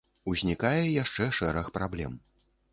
Узнікае яшчэ шэраг праблем.